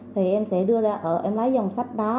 thì em sẽ đưa ra ở em lấy dòng sách đó